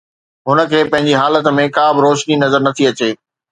هن کي پنهنجي حالت ۾ ڪابه روشني نظر نٿي اچي.